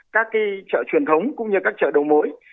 các chợ truyền thống cũng như các chợ đầu mối